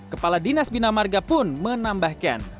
kepala dinas bina marga pun menambahkan